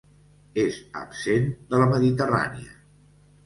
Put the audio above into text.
És absent de la Mediterrània.